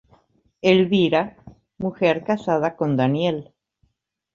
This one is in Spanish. Elvira: Mujer casada con Daniel.